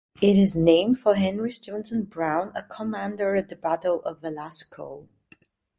It is named for Henry Stevenson Brown, a commander at the Battle of Velasco.